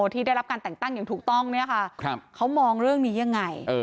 ที่ได้รับการแต่งตั้งอย่างถูกต้องเนี่ยค่ะเขามองเรื่องนี้ยังไง